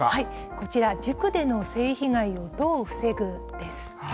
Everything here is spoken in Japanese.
こちら、塾での性被害をどう防ぐ？です。